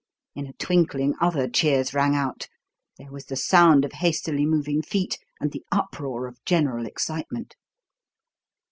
In a twinkling other cheers rang out, there was the sound of hastily moving feet and the uproar of general excitement.